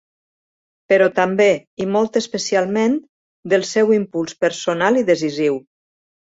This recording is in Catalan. Però també, i molt especialment, del seu impuls personal i decisiu.